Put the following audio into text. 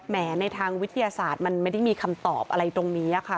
ในทางวิทยาศาสตร์มันไม่ได้มีคำตอบอะไรตรงนี้ค่ะ